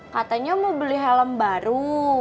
katanya mau beli helm baru